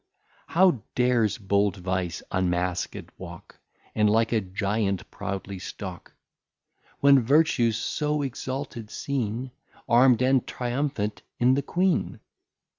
How dares bold Vice unmasked walk, And like a Giant proudly stalk? When Vertue's so exalted seen, Arm'd and Triumphant in the Queen?